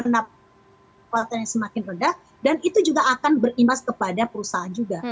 karena semakin rendah dan itu juga akan berimbas kepada perusahaan juga